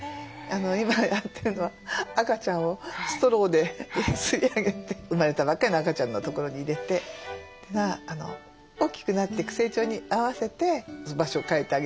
今やってるのは赤ちゃんをストローで吸い上げて生まれたばかりの赤ちゃんのところに入れて大きくなっていく成長に合わせて場所を変えてあげるんです。